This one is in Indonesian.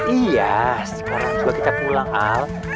iya sekarang coba kita pulang al